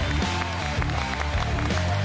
รถที่สูงเลยสูงเลย